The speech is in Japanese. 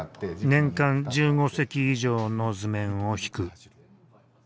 年間１５隻以上の図面をひく。